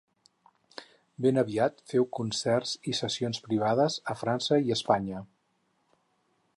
Ben aviat feu concerts i sessions privades a França i Espanya.